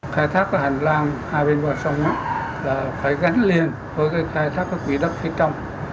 khai thác hành lang hai bên bờ sông phải gánh liền với khai thác quỷ đất phía trong